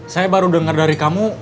saya baru dengar dari kamu